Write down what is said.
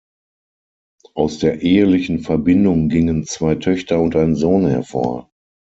Aus der ehelichen Verbindung gingen zwei Töchter und ein Sohn hervor.